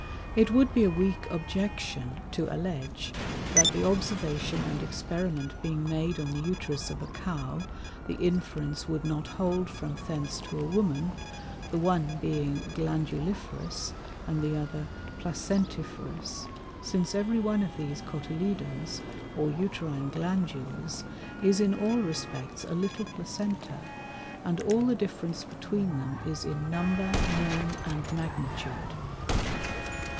It would be a weak Objection, to alledge, That the Observation and Experiment being made on the Uterus of a Cow, the Inference would not hold from thence to a Woman, the one being Glanduliferous, and the other Placentiferous; since every one of these Cotyledones, or Uterine Glandules, is in all respects a little Placenta, and all the difference between them is in number, name, and magnitude.